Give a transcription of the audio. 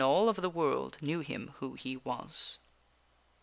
all of the world knew him who he was.